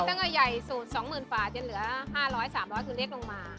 ตั้งแต่ใหญ่สูตร๒๐๐๐๐บาทยังเหลือ๕๐๐๓๐๐บาทถึงเล็กลงมา